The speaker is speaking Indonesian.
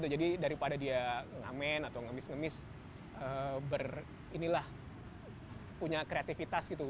jadi daripada dia ngamen atau ngemis ngemis punya kreativitas gitu